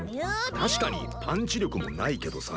確かにパンチ力もないけどさ。